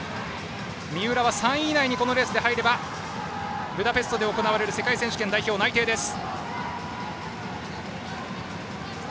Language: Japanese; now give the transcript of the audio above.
三浦は３位以内にこのレースで入ればブダペストで行われる世界選手権代表内定です。